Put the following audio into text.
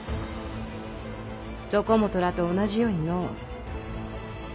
そこもとらと同じようにの。